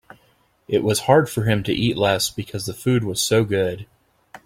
It was hard for him to eat less because the food was so good.